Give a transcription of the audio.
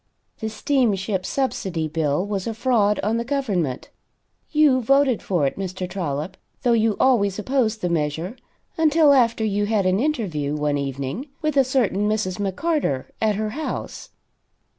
The Steamship Subsidy bill was a fraud on the government. You voted for it, Mr. Trollop, though you always opposed the measure until after you had an interview one evening with a certain Mrs. McCarter at her house.